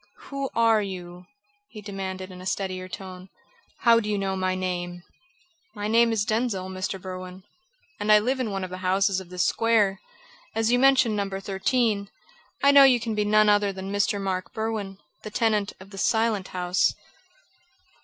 "Who are you?" he demanded in a steadier tone. "How do you know my name?" "My name is Denzil, Mr. Berwin, and I live in one of the houses of this square. As you mention No. 13, I know you can be none other than Mr. Mark Berwin, the tenant of the Silent House."